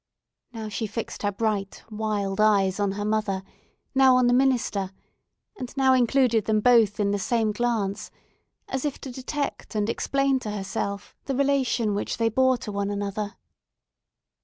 Now she fixed her bright wild eyes on her mother, now on the minister, and now included them both in the same glance, as if to detect and explain to herself the relation which they bore to one another.